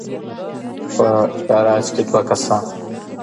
په ګراج کې دوه کسان